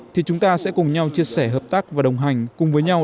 thì chúng ta sẽ cùng nhau chia sẻ hợp tác và đồng hành cùng với nhau